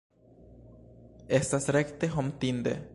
Estas rekte hontinde.